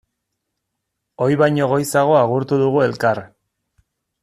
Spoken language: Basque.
Ohi baino goizago agurtu dugu elkar.